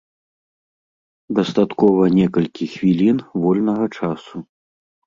Дастаткова некалькі хвілін вольнага часу.